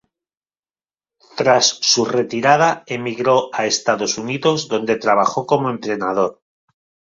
Tras su retirada emigró a Estados Unidos donde trabajó como entrenador.